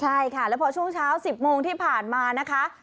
ใช่ค่ะแล้วพอช่วงเช้า๑๐โมงที่ผ่านมานะคะ